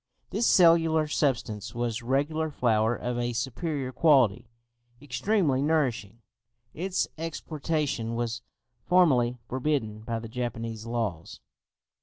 This cellular substance was regular flour of a superior quality, extremely nourishing; its exportation was formerly forbidden by the Japanese laws.